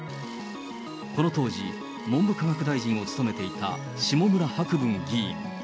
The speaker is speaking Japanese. この当時、文部科学大臣を務めていた下村博文議員。